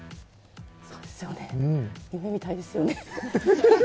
そうですよね、夢みたいですよね。